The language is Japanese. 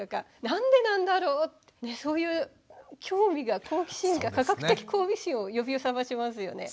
「なんでなんだろう」ってそういう興味が好奇心が科学的好奇心を呼び覚ましますよね。